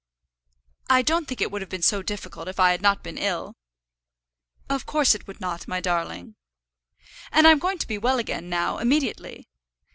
"I don't think it would have been so difficult if I had not been ill." "Of course it would not, my darling." "And I'm going to be well again now, immediately.